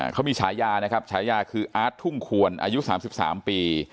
เขามีฉายานะครับฉายาคืออาทุ่งควรอายุสามสิบสามปี